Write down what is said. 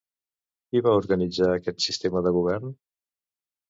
Qui va organitzar aquest sistema de govern?